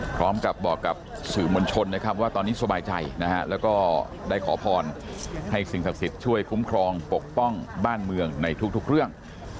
พร้อมกับบอกกับสื่อมวลชนนะครับว่าตอนนี้สบายใจนะฮะแล้วก็ได้ขอพรให้สิ่งศักดิ์สิทธิ์ช่วยคุ้มครองปกป้องบ้านเมืองในทุกเรื่อง